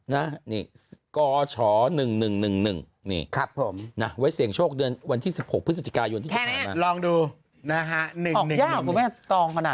นะก่อช้อ๑๑๑๑คับผมนะไว้เสียงโชคเดือนวันที่๑๖พฤศจิกายนรองดูนะฮะ